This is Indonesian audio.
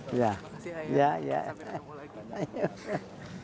terima kasih ayah sampai ada mulai banyak